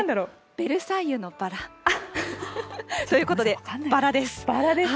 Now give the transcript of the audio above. ベルサイユのばら。ということで、ばらです。